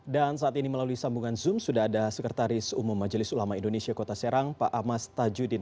dan saat ini melalui sambungan zoom sudah ada sekretaris umum majelis ulama indonesia kota serang pak amas tajudin